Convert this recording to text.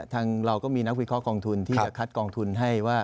ทางเราก็มีนักวิเคราะหกองทุนที่จะคัดกองทุนให้ว่า